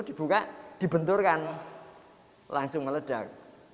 dibuka dibenturkan langsung meledak